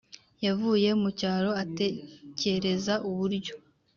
yavuye mucyaro atekereza uburyo